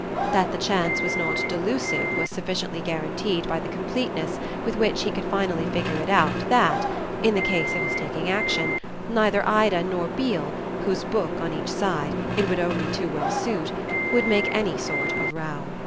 That the chance was not delusive was sufficiently guaranteed by the completeness with which he could finally figure it out that, in case of his taking action, neither Ida nor Beale, whose book, on each side, it would only too well suit, would make any sort of row.